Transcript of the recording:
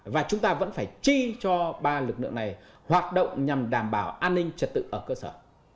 và chúng ta vẫn phải chi cho ba lực lượng này hoạt động nhằm đảm bảo an ninh trật tự ở cơ sở